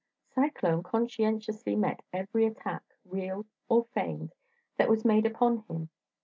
Cyclone conscientiously met every attack, real or feigned, that was made upon him.